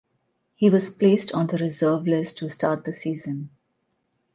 He was placed on the reserve list to start the season.